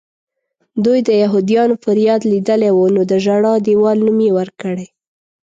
دوی د یهودیانو فریاد لیدلی و نو د ژړا دیوال نوم یې ورکړی.